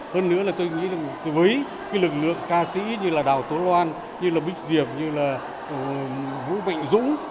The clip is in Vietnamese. hơn nữa là tôi nghĩ với cái lực lượng ca sĩ như là đào tố loan như là bích diệp như là vũ mạnh dũng